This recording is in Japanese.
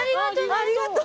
ありがとう。